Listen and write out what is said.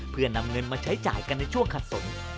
เพื่อนำเงินมาใช้จ่ายกันในช่วงขัดสน